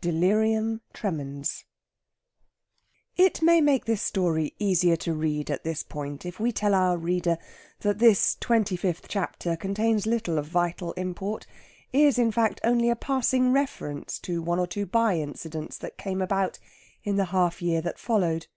DELIRIUM TREMENS It may make this story easier to read at this point if we tell our reader that this twenty fifth chapter contains little of vital import is, in fact, only a passing reference to one or two by incidents that came about in the half year that followed.